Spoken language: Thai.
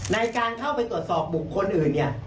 ในการเข้าไปตรวจสอบบุคคลอื่นเนี่ย